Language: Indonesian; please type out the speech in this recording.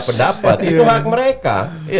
pendapat itu hak mereka